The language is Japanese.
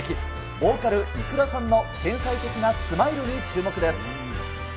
ボーカル、ｉｋｕｒａさんの天才的なスマイルに注目です。